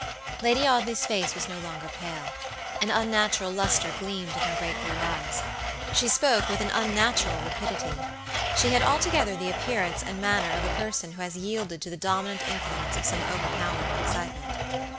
Lady Audley's face was no longer pale. An unnatural luster gleamed in her great blue eyes. She spoke with an unnatural rapidity. She had altogether the appearance and manner of a person who has yielded to the dominant influence of some overpowering excitement.